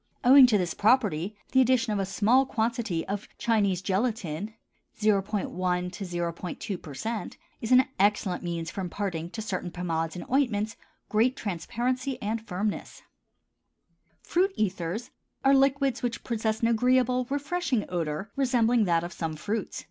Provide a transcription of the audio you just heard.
Owing to this property the addition of a small quantity of Chinese gelatin (0·1 0·2%) is an excellent means for imparting to certain pomades and ointments great transparency and firmness. FRUIT ETHERS are liquids which possess an agreeable, refreshing odor resembling that of some fruits.